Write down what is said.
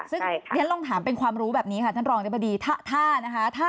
ซึ่งท่านลองถามเป็นความรู้แบบนี้ค่ะ